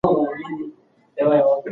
سپورت د درد کمولو یوه موثره لاره ده.